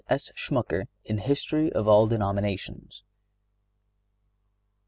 S. Schmucker in "History of all Denominations."